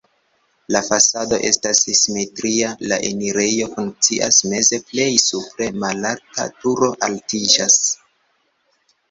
La fasado estas simetria, la enirejo funkcias meze, plej supre malalta turo altiĝas.